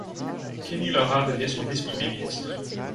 Kenilorea devient son vice-Premier ministre.